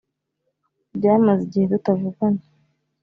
Byamaze igihe tutavugana